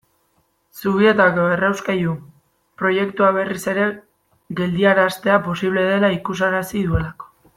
Zubietako errauskailu proiektua berriz ere geldiaraztea posible dela ikusarazi duelako.